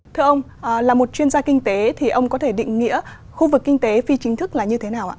thưa ông là một chuyên gia kinh tế thì ông có thể định nghĩa khu vực kinh tế phi chính thức là như thế nào ạ